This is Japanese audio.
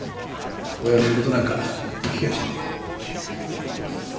親の言うことなんか聞きやしない。